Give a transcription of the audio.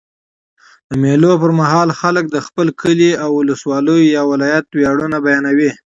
د مېلو پر مهال خلک د خپل کلي، اولسوالۍ یا ولایت ویاړونه بیانوي.